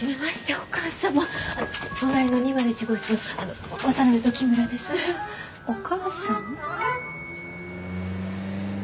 お母さん？